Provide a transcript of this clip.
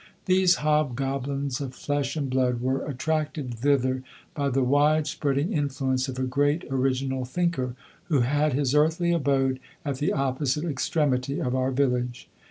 These hobgoblins of flesh and blood were attracted thither by the wide spreading influence of a great original thinker, who had his earthly abode at the opposite extremity of our village.